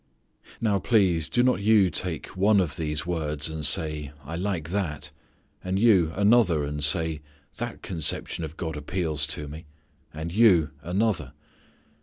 Now, please, do not you take one of these words, and say, "I like that"; and you another and say, "That conception of God appeals to me," and you another.